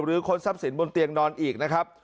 ค้นทรัพย์สินบนเตียงนอนอีกนะครับ